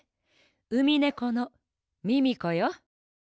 ウミネコのミミコよ！